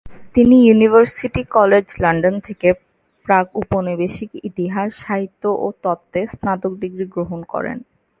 তিনি University College London থেকে প্রাক-উপনিবেশিক ইতিহাস, সাহিত্য এবং তত্ত্বে স্নাতক ডিগ্রী গ্রহণ করেন।